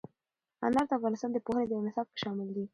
انار د افغانستان د پوهنې په نصاب کې شامل دي.